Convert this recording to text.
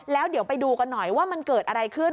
แล้วเดี๋ยวไปดูกันหน่อยว่ามันเกิดอะไรขึ้น